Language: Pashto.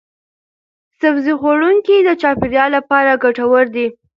سبزي خوړونکي د چاپیریال لپاره ګټور دي.